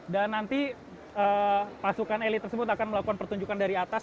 dan nanti pasukan elit tersebut akan melakukan pertunjukan dari atas